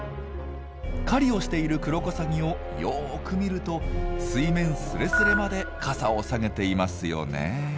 狩りをしているクロコサギをよく見ると水面スレスレまで傘を下げていますよね。